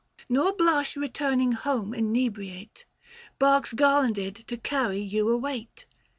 Nor blush returning home inebriate. Barks garlanded to carry you await